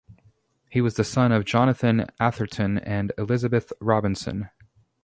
He was the son of Jonathan Atherton and Elizabeth Robinson.